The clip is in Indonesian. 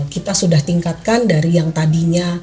kita sudah tingkatkan dari yang tadinya